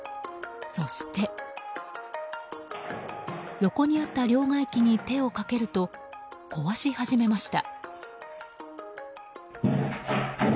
そして、横にあった両替機に手をかけると壊し始めました。